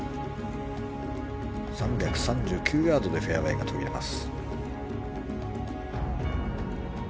３３９ヤードでフェアウェーが途切れます。